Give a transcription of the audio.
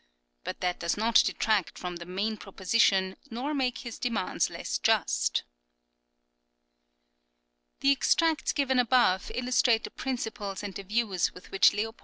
But this does not detract from the main proposition nor make his demands less just. The extracts given above illustrate the principles and the views with which L.